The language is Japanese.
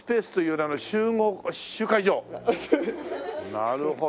なるほど！